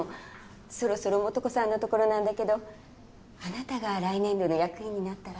そろそろ素子さんのところなんだけどあなたが来年度の役員になったら？